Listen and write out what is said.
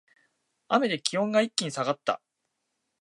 雨で気温が一気に下がった